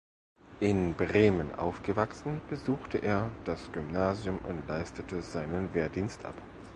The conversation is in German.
In Bremen aufgewachsen, besuchte er das Gymnasium und leistete seinen Wehrdienst ab.